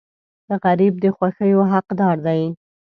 غریب د خوښیو حقدار دی